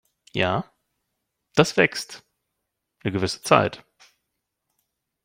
Ja, das wächst 'ne gewisse Zeit.